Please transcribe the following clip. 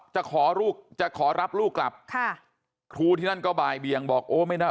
จะขอลูกจะขอรับลูกกลับค่ะครูที่นั่นก็บ่ายเบียงบอกโอ้ไม่น่า